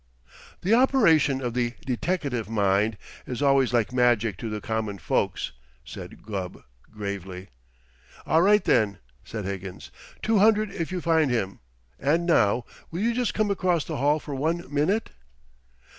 "The operation of the deteckative mind is always like magic to the common folks," said Gubb gravely. "All right, then," said Higgins. "Two hundred if you find him. And now, will you just come across the hall for one minute?"